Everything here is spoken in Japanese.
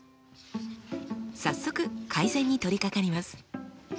早速改善に取りかかります。